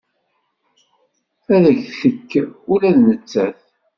Ad ak-d-tekk ula d nettat.